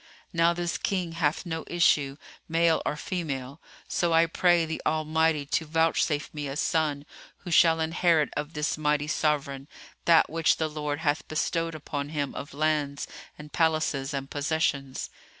Now this King hath no issue, male or female, so I pray the Almighty to vouchsafe me a son who shall inherit of this mighty sovran that which the Lord hath bestowed upon him of lands and palaces and possessions."